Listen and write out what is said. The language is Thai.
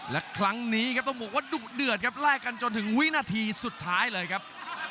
และครั้งนี้ครับต้องบอกว่าดุเดือดครับแลกกันจนถึงวินาทีสุดท้ายเลยครับ